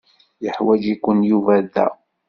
Yeḥwaǧ-iken Yuba da.